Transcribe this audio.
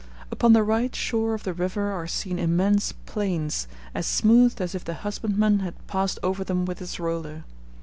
Upon the right shore of the river are seen immense plains, as smooth as if the husbandman had passed over them with his roller.